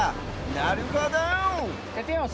なるほど！